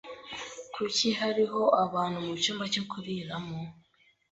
Kuki hariho abantu mucyumba cyo kuriramo?